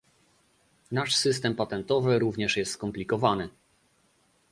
Nasz system patentowy również jest skomplikowany